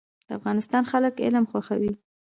د افغانستان خلک علم خوښوي